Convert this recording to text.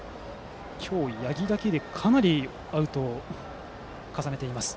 今日、八木だけでかなりアウトを重ねています。